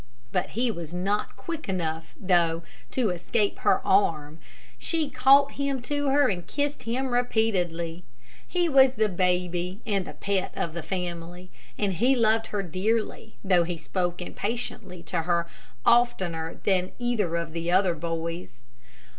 But he was not quick enough though to escape her arm. She caught him to her and kissed him repeatedly. He was the baby and pet of the family, and he loved her dearly, though he spoke impatiently to her oftener than either of the other boys.